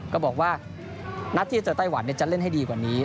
ก็บอกว่านัดที่จะเจอไต้หวันจะเล่นให้ดีกว่านี้